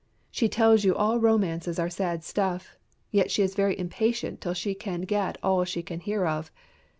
She tells you all romances are sad stuff, yet she is very impatient till she can get all she can hear of.